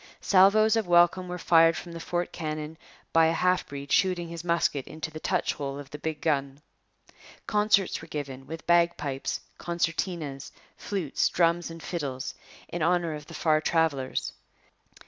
Salvoes of welcome were fired from the fort cannon by a half breed shooting his musket into the touch hole of the big gun. Concerts were given, with bagpipes, concertinas, flutes, drums, and fiddles, in honour of the far travellers.